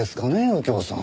右京さん。